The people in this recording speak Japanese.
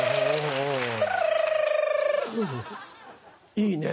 いいね。